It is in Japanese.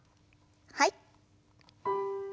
はい。